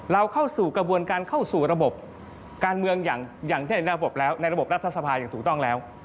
เข้าสู่กระบวนการเข้าสู่ระบบการเมืองอย่างเช่นระบบแล้วในระบบรัฐสภาอย่างถูกต้องแล้ว